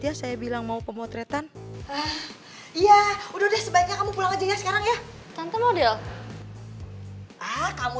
ya saya bilang mau pemotretan iya udah sebaiknya kamu pulang aja sekarang ya nonton model kamu